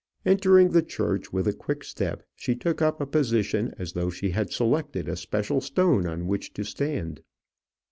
Entering the church with a quick step, she took up a position as though she had selected a special stone on which to stand.